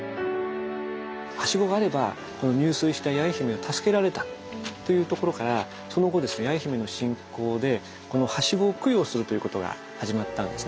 はしごがあれば入水した八重姫を助けられたというところからその後ですね八重姫の信仰でこのはしごを供養するということが始まったんですね。